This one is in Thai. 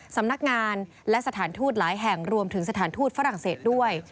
สำนักงานและสถานทูตหลายแห่งรวมถึงสถานทูตฝรั่งเศสด้วย